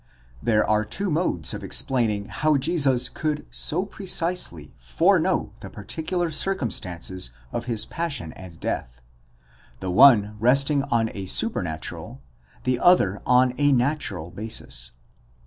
There are two modes of explaining how Jesus could so precisely foreknow the particular circumstances of his passion and death; the one resting on a: supernatural, the other on a natural basis.